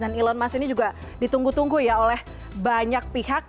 dan elon musk ini juga ditunggu tunggu ya oleh banyak pihak